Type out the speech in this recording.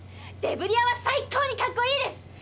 デブリ屋は最高にかっこいいです！